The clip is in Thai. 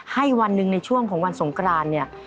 ให้วันหนึ่งในช่วงของวันสงกรานเนี่ย